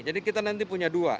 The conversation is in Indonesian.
jadi kita nanti punya dua